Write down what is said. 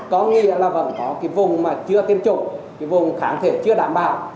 có nghĩa là vẫn có vùng mà chưa tiêm chủng vùng kháng thể chưa đảm bảo